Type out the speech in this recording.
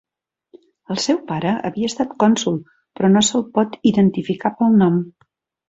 El seu pare havia estat cònsol però no se'l pot identificar pel nom.